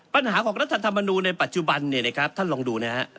ปัญหาของรัฐธรรมนูลในปัจจุบันเนี่ยนะครับท่านลองดูนะฮะ